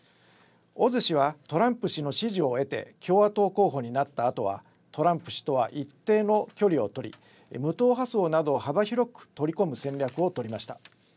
オズ氏はトランプ氏の支持を得て共和党候補になったあとはトランプ氏とは一定の距離を取り無党派層などを幅広く取り込む戦略を取りました。